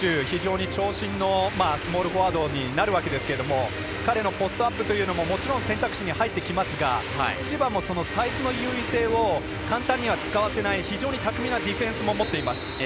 非常に長身のスモールフォワードになるわけですけど彼のポストアップというのも選択肢に入ってきますが千葉もサイズの優位性を簡単には使わせない非常に巧みなディフェンスも持っています。